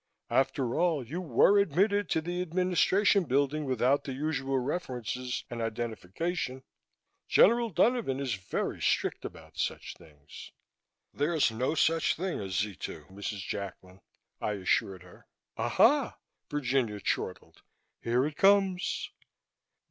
After all, you were admitted to the Administration Building without the usual references and identification. General Donovan is very strict about such things." "There is no such thing as Z 2, Mrs. Jacklin," I assured her. "Aha!" Virginia chortled, "here it comes."